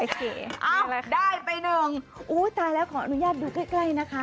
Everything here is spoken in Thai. แย่เก๋ใช่ไหมคะโอ้โหได้ไปนึงโอ๊ะตายแล้วขออนุญาตดูใกล้นะคะ